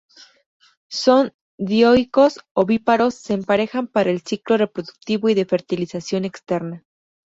Son dioicos, ovíparos, se emparejan para el ciclo reproductivo y de fertilización externa.